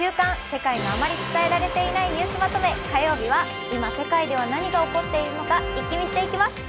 世界のあまり伝えられていないニュースまとめ」火曜日は、今、世界では何が起こっているのか一気見していきます。